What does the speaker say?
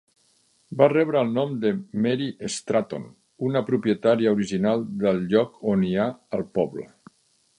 Va rebre el nom de Mary Stratton, una propietària original del lloc on hi ha el poble.